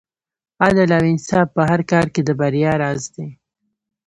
عدل او انصاف په هر کار کې د بریا راز دی.